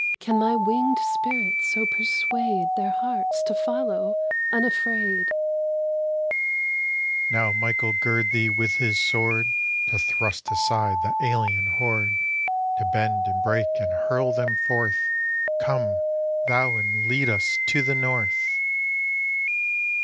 Can my wing'd spirit so persuade Their hearts to follow unafraid? The Men op France : Now Michael gird thee with his sword To thrust aside the alien horde, To bend and break and hurl them forth! Come, thou, and lead us to the north!